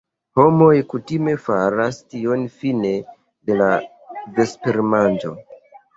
Homoj kutime faras tion fine de la vespermanĝo.